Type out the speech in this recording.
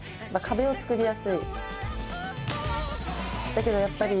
だけどやっぱり。